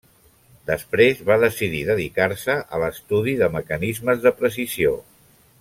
Després va decidir dedicar-se a l'estudi de mecanismes de precisió.